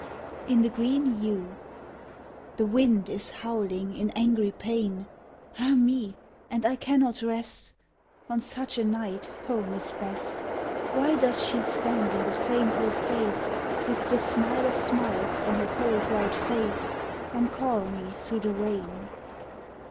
IN THE GREEN YEW The wind is howling in angry pain, Ah me, and I cannot rest; On such a night home is best, Why does she stand in the same old place With the smile of smiles on her cold white face And call me thro' the rain?